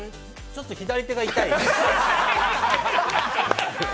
ちょっと左手が痛い。